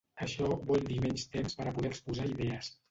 Això vol dir menys temps per a poder exposar idees.